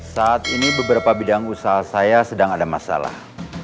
saat ini beberapa bidang usaha saya sedang ada masalah